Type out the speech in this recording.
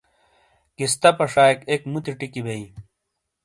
کِستہ پشائیک اک مُتی ٹِیکی بئییں ۔